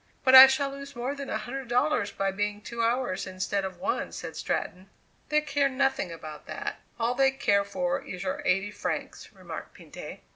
"But I shall lose more than a hundred dollars by being two hours instead of one," said Stratton. "They care nothing about that; all they care for is your eighty francs," remarked Pinte.